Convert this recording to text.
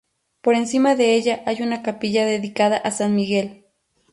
Por encima de ella hay una capilla dedicada a San Miguel.